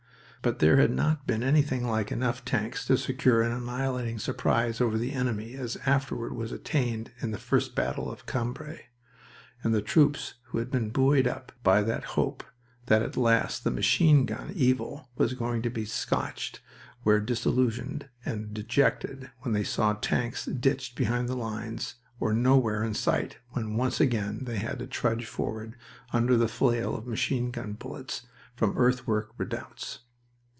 But there had not been anything like enough tanks to secure an annihilating surprise over the enemy as afterward was attained in the first battle of Cambrai; and the troops who had been buoyed up with the hope that at last the machine gun evil was going to be scotched were disillusioned and dejected when they saw tanks ditched behind the lines or nowhere in sight when once again they had to trudge forward under the flail of machine gun bullets from earthwork redoubts.